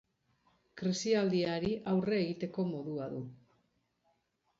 Krisialdiari aurre egiteko modua du.